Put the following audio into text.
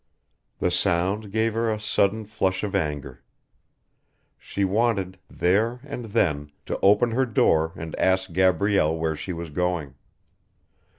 The sound gave her a sudden flush of anger. She wanted, there and then, to open her door and ask Gabrielle where she was going.